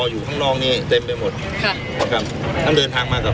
อยู่ข้างนอกนี้เต็มไปหมดค่ะนะครับทั้งเดินทางมากับ